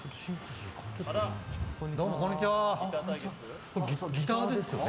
どうも、こんにちは。